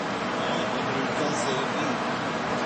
اور امریکہ سے بھی۔